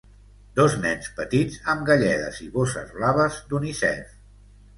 Dos nens petits amb galledes i bosses blaves d'Unicef.